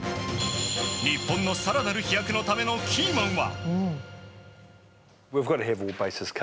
日本の更なる飛躍のためのキーマンは。